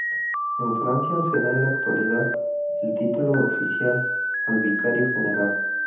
En Francia se da en la actualidad el título de oficial al vicario general.